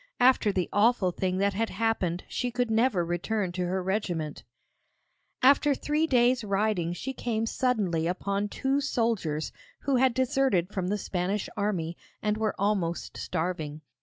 After the awful thing that had happened she could never return to her regiment. After three days' riding she came suddenly upon two soldiers who had deserted from the Spanish army, and were almost starving.